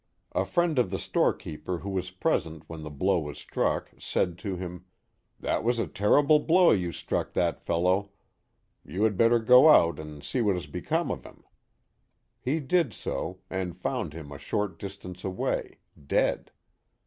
A friend of the storekeeper who was present when the blow was struck said to him :That was a terrible blow you struck that fellow; you had better go out and see what has become of him. He did so, and found him a short distance away, dead.